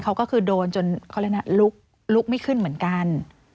เขาก็คือโดนจนลุกไม่ขึ้นเหมือนกัน